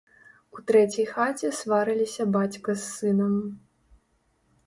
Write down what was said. У трэцяй хаце сварыліся бацька з сынам.